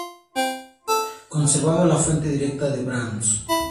Conservamos la fuente directa de Brahms.